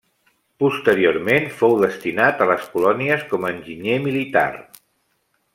Posteriorment, fou destinat a les colònies com a enginyer militar.